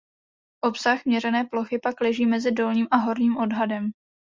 Obsah měřené plochy pak leží mezi dolním a horním odhadem.